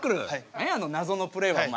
何やあのなぞのプレーはお前。